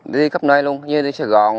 đi khắp nơi luôn như đi sài gòn